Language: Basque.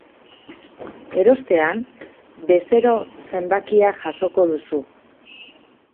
Erostean, bezero zenbakia jasoko duzu .